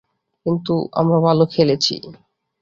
কিন্তু আমরা ভালো খেলেছি।